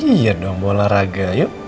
iya dong olahraga yuk